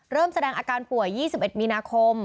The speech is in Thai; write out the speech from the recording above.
เริ่มแสดงอาการป่วย๒๑มีนาคม